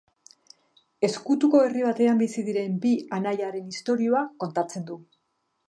Ezkutuko herri batean bizi diren bi anaiaren istorioa kontatzen du.